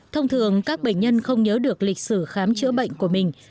thông thường các bệnh nhân không nhớ được lịch sử khám chữa bệnh của mình